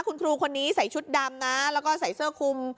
คุณครูคนนี้ใส่ชุดดำนะแล้วก็ใส่เสื้อคุม